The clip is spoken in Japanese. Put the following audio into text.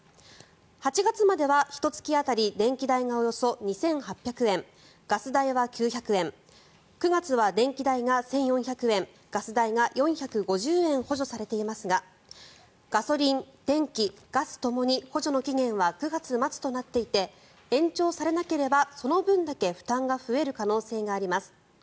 ８月までは、ひと月当たり電気代がおよそ２８００円ガス代は９００円９月は電気代が１４００円ガス代が４５０円補助されていますがガソリン、電気、ガスともに補助の期限は９月末となっていて延長されなければ、その分だけ負担が増える可能性があります。